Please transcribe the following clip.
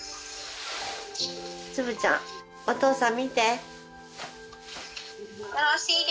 つぶちゃんお父さん見て。